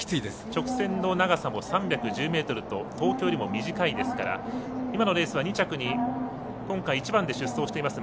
直線の長さも３１０ｍと東京よりも短いですから今のレースは２着に今回１番で出走しています